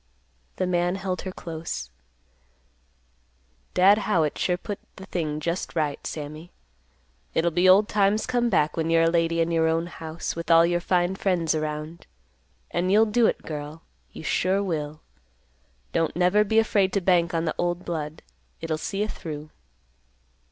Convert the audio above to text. The man held her close "Dad Howitt sure puts the thing just right, Sammy. It'll be old times come back, when you're a lady in your own house with all your fine friends around; and you'll do it, girl; you sure will. Don't never be afraid to bank on the old blood. It'll see you through."